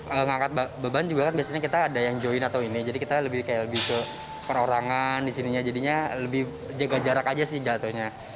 mengangkat beban juga kan biasanya kita ada yang join atau ini jadi kita lebih ke penorangan disininya jadinya lebih jaga jarak aja sih jatuhnya